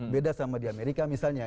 beda sama di amerika misalnya